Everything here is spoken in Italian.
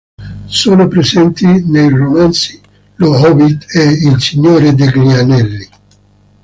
Sono presenti nei romanzi "Lo Hobbit" e "Il Signore degli Anelli".